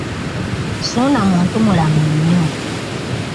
Ssuuna muntu mulamu nnyo.